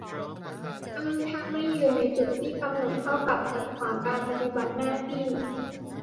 อ้างถ้าไม่ยืนในจุดที่กำหนดเท่ากับขัดขวางการปฏิบัติหน้าที่